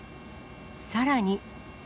さらに。